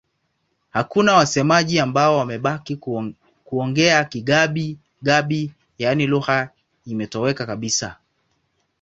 Hakuna wasemaji ambao wamebaki kuongea Kigabi-Gabi, yaani lugha imetoweka kabisa.